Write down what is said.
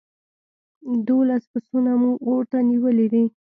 دوولس پسونه مو اور ته نيولي دي.